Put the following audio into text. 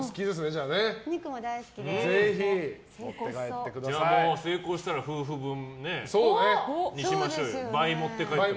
じゃあ成功したら夫婦分にしましょうよ。